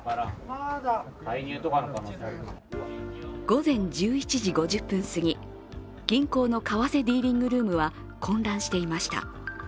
午前１１時５０分すぎ、銀行の為替ディーリングルームは混乱していました。